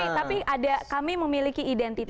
tapi ada kami memiliki identitas